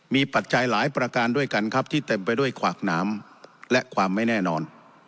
มีปัจจัยหลายประการด้วยกันครับที่เต็มไปด้วยขวากหนามและความไม่แน่นอน